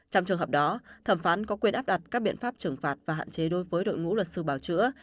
trong trường hợp đó thẩm phán có quyền áp đặt các biện pháp trừng phạt và hạn chế đối với đội ngũ luật sư bảo chữa